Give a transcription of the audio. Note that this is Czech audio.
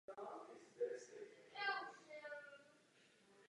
Také umožňuje hru provozovat na novějších verzích Microsoft Windows.